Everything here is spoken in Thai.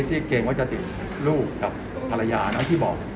เกรงว่าจะติดลูกกับภรรยานะที่บอก